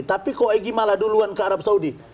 tapi kok egy malah duluan ke arab saudi